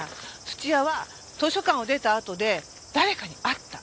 土屋は図書館を出たあとで誰かに会った。